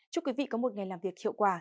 chúc quý vị có một ngày làm việc hiệu quả